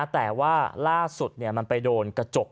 แต่ว่าล่าสุดมันไปโดนกระจก